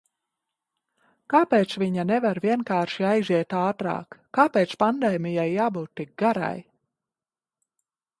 Kāpēc viņa nevar vienkārši aiziet ātrāk? Kāpēc pandēmijai jābūt tik garai?